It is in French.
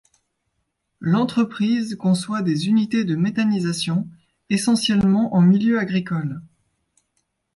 L'entreprise conçoit des unités de méthanisation, essentiellement en milieu agricole.